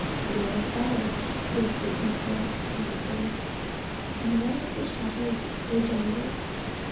'Your betters,' is the insolent answer. And what is the shepherd's rejoinder?